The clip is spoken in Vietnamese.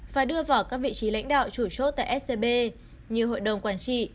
và đưa vào các vị trí lãnh đạo chủ chốt tại scb như hội đồng quản trị